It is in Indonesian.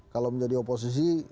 kalau menjadi oposisi